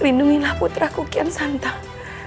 rinduinlah putraku kian santang